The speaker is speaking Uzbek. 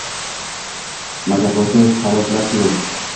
Majaqlovchi sallotlar kerak.